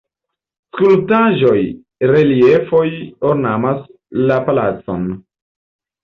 Skulptaĵoj, reliefoj ornamas la palacon.